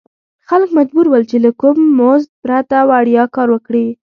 خلک مجبور ول چې له کوم مزد پرته وړیا کار وکړي.